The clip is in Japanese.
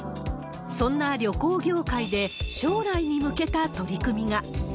そんな旅行業界で、将来に向けた取り組みが。